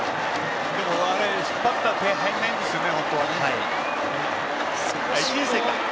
引っ張ったら点、入らないんですよね。